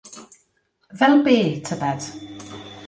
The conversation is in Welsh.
Fel be, tybed?